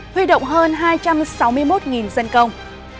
huy động hơn hai trăm sáu mươi một dân công